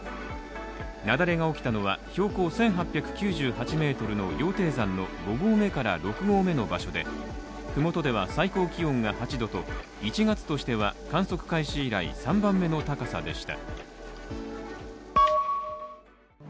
雪崩が起きたのは、標高１８９８ｍの羊蹄山の５合目から６合目の場所でふもとでは最高気温が８度と１月としては観測開始以来３番目の高さでした。